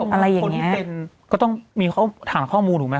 อะไรอย่างนี้ก็ต้องมีเขาถามข้อมูลถูกไหม